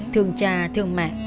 thương cha thương mẹ